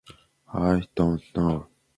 The iconic dome is covered with purple tiles.